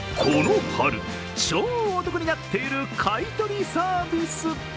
この春、超お得になっている買い取りサービス。